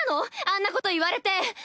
あんなこと言われて。